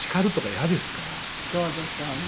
そうでしょうね。